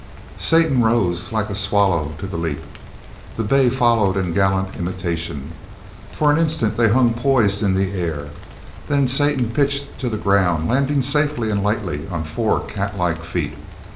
Satan rose like a swallow to the leap. The bay followed in gallant imitation. For an instant they hung poised in air. Then Satan pitched to the ground, landing safely and lightly on four cat like feet.